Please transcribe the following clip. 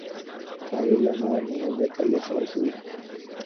La Biblia no da ningún detalle sobre su vida.